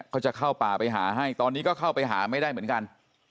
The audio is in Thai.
ก็จะเข้าป่าไปหาให้ตอนนี้ก็เข้าไปหาไม่ได้เหมือนกัน